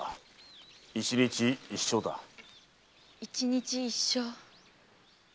一日一生。